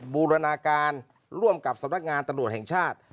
บูรณาการร่วมกับสำนักงานตำรวจแห่งชาติ